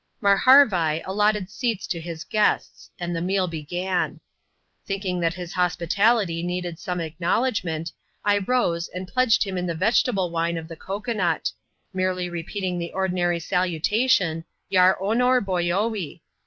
Marharvai allotted seats to his guests; and the meal began. Thinking that his hospitality needed some acknowledgment, I rose, and pledged him in the vegetable wine of the cocoa nut ; merely repeating the ordinary salutation, " Yar onor boyoee."